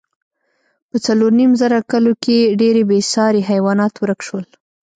په څلورو نیم زره کلو کې ډېری بېساري حیوانات ورک شول.